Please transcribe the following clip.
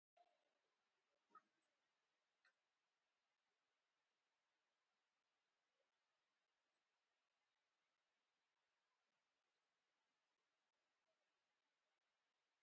"Live After Death" has been highly rated by critics since its release; "Kerrang!